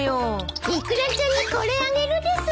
イクラちゃんにこれあげるです。